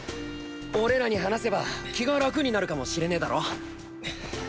俺らに話せば気が楽になるかもしれねだろ。